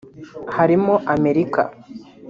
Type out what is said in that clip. harimo America